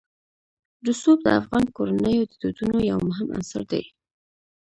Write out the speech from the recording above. رسوب د افغان کورنیو د دودونو یو مهم عنصر دی.